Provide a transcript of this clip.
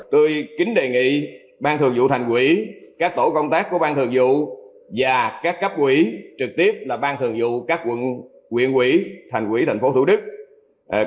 tôi kính đề nghị ban thường vụ thành quỹ các tổ công tác của ban thường vụ và các cấp quỹ trực tiếp là ban thường vụ các quận quyện quỹ thành quỹ tp hcm